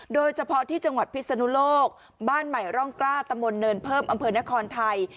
โดยเฉพาะที่จังหวัดพิศนุโลกบ้านใหม่ร่องกล้าตำบลเนินเพิ่มอำเภอนครไทย